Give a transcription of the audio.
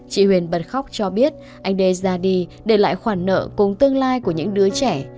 chị huyền bật khóc cho biết anh đê ra đi để lại khoản nợ cùng tương lai của những đứa trẻ